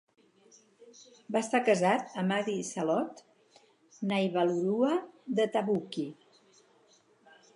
Va estar casat amb Adi Salote Naivalurua de Tavuki.